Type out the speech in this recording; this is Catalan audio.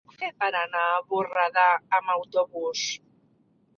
Com ho puc fer per anar a Borredà amb autobús?